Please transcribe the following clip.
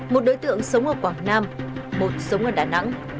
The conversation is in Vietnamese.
một đối tượng sống ở quảng nam một sống ở đà nẵng